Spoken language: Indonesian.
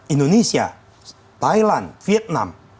indonesia thailand vietnam